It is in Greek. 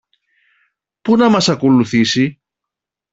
Πού να μας ακολουθήσει;